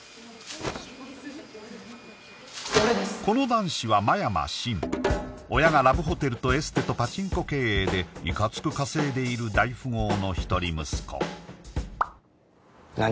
この男子は真山深親がラブホテルとエステとパチンコ経営でいかつく稼いでいる大富豪の一人息子何？